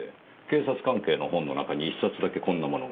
警察関係の本の中に１冊だけこんなものが。